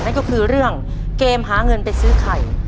นั่นก็คือเรื่องเกมหาเงินไปซื้อไข่